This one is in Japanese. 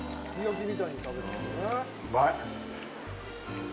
うまい！